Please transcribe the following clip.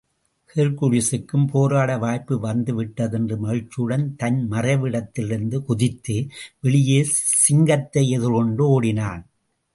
ஹெர்குலிஸுக்கும் போராட வாய்ப்பு வந்து விட்டதென்ற மகிழ்ச்சியுடன் தன் மறைவிடத்திலிருந்து குதித்து, வெளியே சிங்கத்தை எதிர்கொண்டு ஓடினான்.